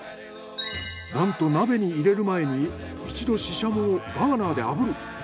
なんと鍋に入れる前に一度シシャモをバーナーで炙る。